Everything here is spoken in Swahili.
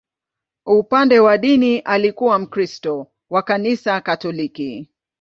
Upande wa dini, alikuwa Mkristo wa Kanisa Katoliki.